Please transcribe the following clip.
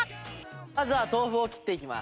まずは豆腐を切っていきます。